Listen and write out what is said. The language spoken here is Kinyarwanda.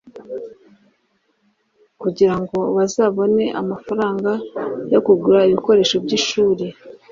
kugirango bazabone amafaranga yo kugura ibikoresho by’ishuri